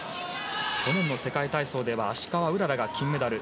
去年の世界体操では芦川うららが金メダル。